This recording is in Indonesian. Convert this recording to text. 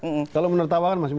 ini sudah menertawakan mas